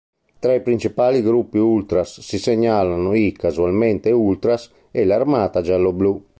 Tra i principali gruppi ultras si segnalano i "Casualmente ultras" e l"'Armata gialloblù".